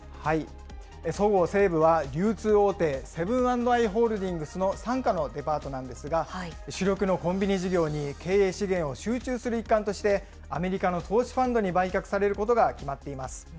そごう・西武は流通大手、セブン＆アイ・ホールディングスの傘下のデパートなんですが、主力のコンビニ事業に経営資源を集中する一環として、アメリカの投資ファンドに売却されることが決まっています。